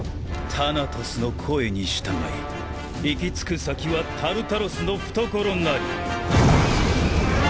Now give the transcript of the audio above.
タナトスの声に従い行き着く先はタルタロスの懐なり。